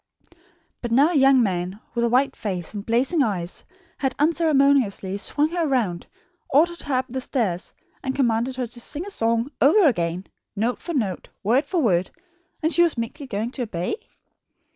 But now a young man with a white face and blazing eyes had unceremoniously swung her round, ordered her up the stairs, and commanded her to sing a song over again, note for note, word for word, and she was meekly going to obey.